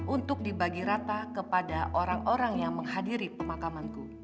untuk dibagi rata kepada orang orang yang menghadiri pemakamanku